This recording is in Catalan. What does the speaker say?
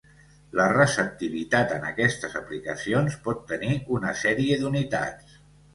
La receptivitat en aquestes aplicacions pot tenir una sèrie d'unitats.